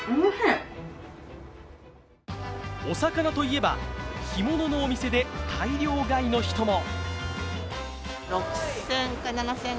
お魚といえば、干物のお店で大量買いの人も。